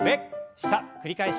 下繰り返し。